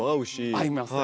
合います。